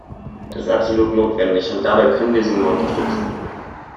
Das ist absolut notwendig, und dabei können wir sie nur unterstützen.